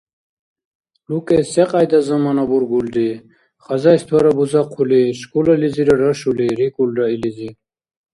– ЛукӀес секьяйда замана бургулри, хозяйствора бузахъули школализира рашули? – рикӀулра илизи.